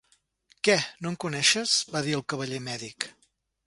"Què, no em coneixes?" va dir el cavaller mèdic.